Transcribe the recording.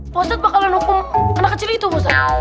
pak ustadz bakalan hukum anak kecil itu pak ustadz